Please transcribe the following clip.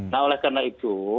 nah oleh karena itu